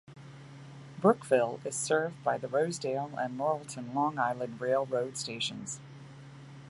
Brookville is served by the Rosedale and Laurelton Long Island Rail Road stations.